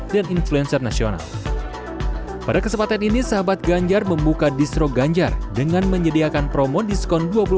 dan mencari penonton yang berkembang